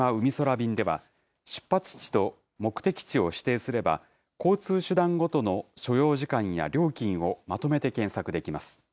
便では、出発地と目的地を指定すれば、交通手段ごとの所要時間や料金をまとめて検索できます。